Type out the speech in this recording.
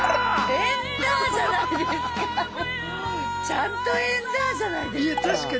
ちゃんと「エンダァ」じゃないですか！